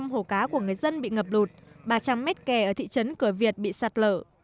một mươi hồ cá của người dân bị ngập lụt ba trăm linh mét kè ở thị trấn cửa việt bị sạt lở